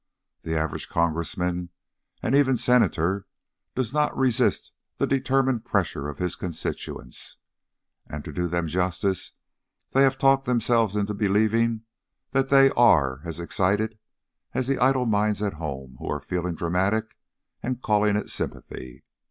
The average Congressman and even Senator does not resist the determined pressure of his constituents, and to do them justice they have talked themselves into believing that they are as excited as the idle minds at home who are feeling dramatic and calling it sympathy.